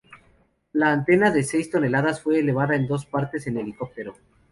La antena de seis toneladas fue elevada en dos partes en helicóptero.